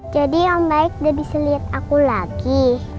jadi om baik udah bisa liat aku lagi